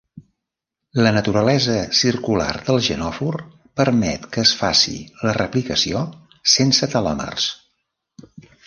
La naturalesa circular del genòfor permet que es faci la replicació sense telòmers.